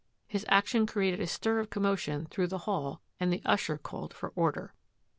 His action created a stir of commotion through the hall and the usher called for order.